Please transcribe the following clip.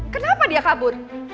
kenapa dia kabur